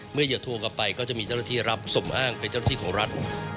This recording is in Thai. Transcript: อย่าโทรกลับไปก็จะมีเจ้าหน้าที่รับสมอ้างเป็นเจ้าหน้าที่ของรัฐ